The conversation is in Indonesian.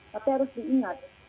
tapi harus diingat